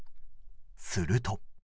すると。